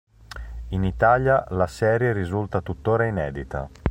In Italia la serie risulta tuttora inedita.